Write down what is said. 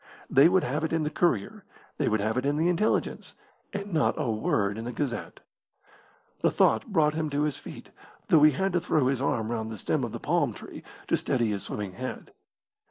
They would have it in the Courier; they would have it in the Intelligence, and not a word in the Gazette. The thought brought him to his feet, though he had to throw his arm round the stem of the palm tree to steady his swimming head.